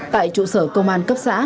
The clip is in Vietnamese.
tại trụ sở công an cấp xã